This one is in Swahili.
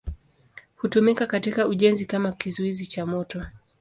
Hutumika katika ujenzi kama kizuizi cha moto.